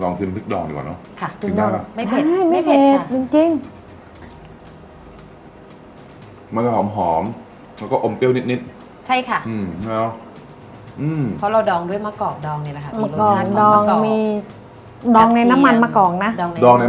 ลองชิมชิมชิมปลีกดองดีกว่าเนอะนะฮะ